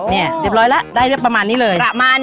เรียบร้อยแล้วได้ประมาณนี้เลย